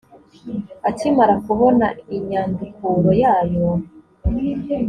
akimara kubona inyandukuro yayo